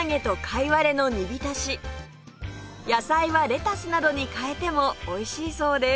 野菜はレタスなどに変えてもおいしいそうです